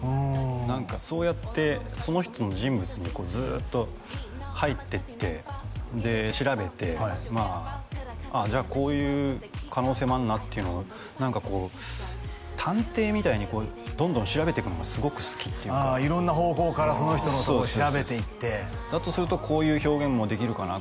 何かそうやってその人の人物にずっと入ってってで調べてじゃあこういう可能性もあるなっていうのを何かこう探偵みたいにどんどん調べてくのがすごく好きっていうか色んな方向からその人のことを調べていってだとするとこういう表現もできるかな？